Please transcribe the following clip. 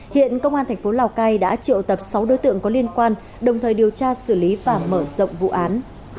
hiện công an thành phố lào cai đã triệu tập sáu đối tượng có liên quan đồng thời điều tra xử lý và mở rộng vụ án